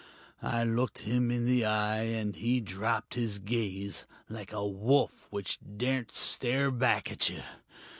I looked him in the eye, and he dropped his gaze, like a wolf which daren't stare back at you.